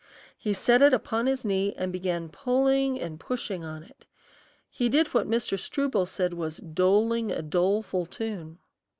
He set it upon his knee and began pulling and pushing on it. He did what Mr. Struble said was doling a doleful tune.